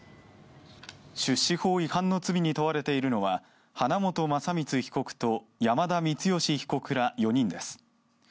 出資法違反の罪に問われているのは花本将光被告と山田光賢被告ら４人です。